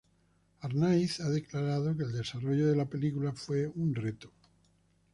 Arnaiz ha declarado que el desarrollo de la película fue un reto.